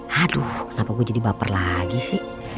haduh kenapa gue jadi baper lagi sih